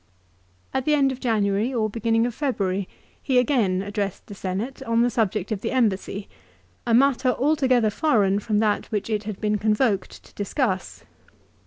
l At the end of January or beginning of February he again addressed the Senate, on the subject of the embassy, a matter altogether foreign from that which it had been convoked to discuss.